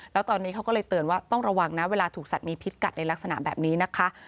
แล้วตอนนี้เขาก็เลยเตือนว่าต้องระวังนะเวลาถูกสัตว์มีพิษกัดในลักษณะแบบนี้นะคะ